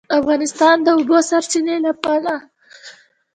افغانستان د د اوبو سرچینې له پلوه متنوع دی.